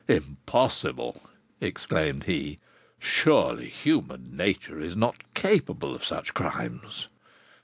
"Impossible!" exclaimed he. "Surely human nature is not capable of such crimes!"